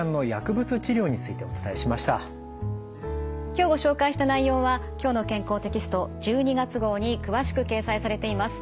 今日ご紹介した内容は「きょうの健康」テキスト１２月号に詳しく掲載されています。